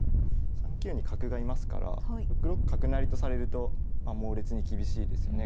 ３九に角がいますから６六角成とされると猛烈に厳しいですよね